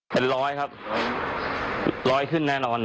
เป็น๑๐๐ครับ